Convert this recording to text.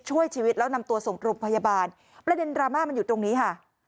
ช่วยชีวิตแล้วนำตัวส่งโรงพยาบาลประเด็นดราม่ามันอยู่ตรงนี้ค่ะ